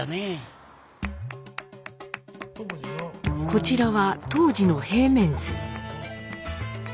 こちらは当時の平面図。